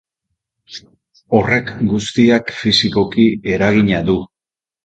Horrek guztiak, fisikoki eragina du.